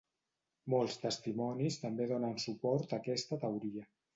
Molts testimonis també donen suport a aquesta teoria.